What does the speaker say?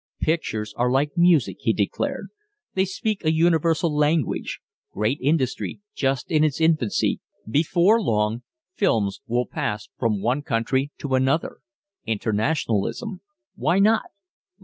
"Pictures are like music," he declared. "They speak a universal language. Great industry just in its infancy before long films will pass from one country to another internationalism. Why not?